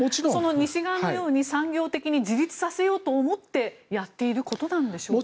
西側のように産業的に自立させようと思ってやっていることなんでしょうか。